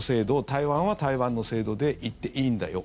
台湾は台湾の制度で行っていいんだよ。